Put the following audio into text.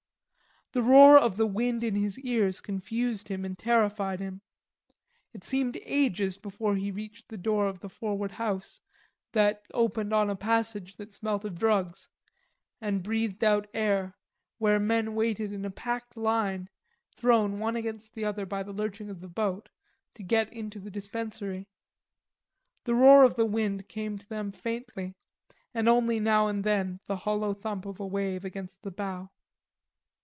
The roar of the wind in his ears confused him and terrified him. It seemed ages before he reached the door of the forward house that opened on a passage that smelt of drugs; and breathed out air, where men waited in a packed line, thrown one against the other by the lurching of the boat, to get into the dispensary. The roar of the wind came to them faintly, and only now and then the hollow thump of a wave against the bow.